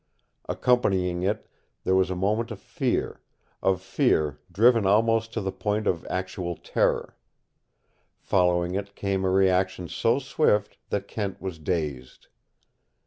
Accompanying it there was a moment of fear, of fear driven almost to the point of actual terror. Following it came a reaction so swift that Kent was dazed.